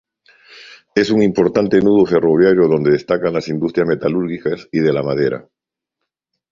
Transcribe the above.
Es un importante nudo ferroviario, donde destacan las industrias metalúrgicas y de la madera.